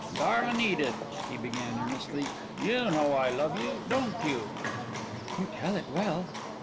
"Darlin' Edith," he began earnestly, "you know I love you, don't you?" "You tell it well."